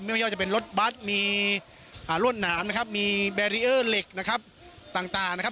ไม่ว่าจะเป็นรถบัสมีอ่ารวดหนามนะครับมีเล็กนะครับต่างต่างนะครับ